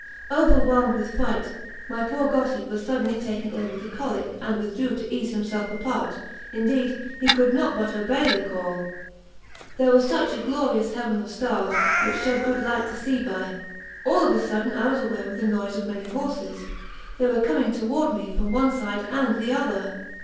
Overwhelmed with fright, my poor gossip was suddenly taken ill with the colic, and withdrew to ease himself apart; indeed, he could not buy obey the call. There was a glorious heaven of stars, which shed good light to see by. All of a sudden I was aware of the noise of many horses; they were coming toward me from the one side and the other.